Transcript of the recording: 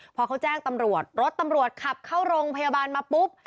พอเขาแจ้งตำรวจรถตำรวจขับเข้าโรงพยาบาลมาปุ๊บ